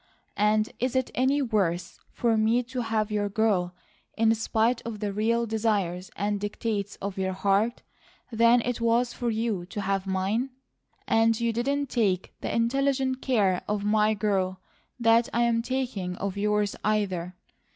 And is it any worse for me to have your girl in spite of the real desires and dictates of your heart, than it was for you to have mine? And you didn't take the intelligent care of my girl that I'm taking of yours, either.